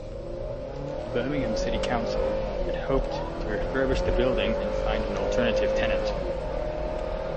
Birmingham City Council had hoped to refurbish the building and find an alternative tenant.